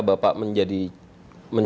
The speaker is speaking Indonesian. berada di bagian